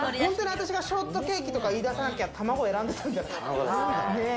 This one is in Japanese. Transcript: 私がショートケーキとか言い出さなきゃ、たまごを選んでたんじゃない？